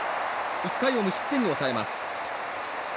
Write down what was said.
１回を無失点に抑えます。